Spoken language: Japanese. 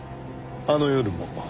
あの夜も？